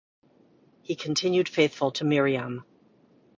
He continued faithful to Miriam.